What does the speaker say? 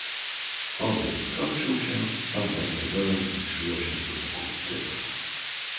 "Obiad skończył się, panna Izabela zbliżyła się do Wokulskiego."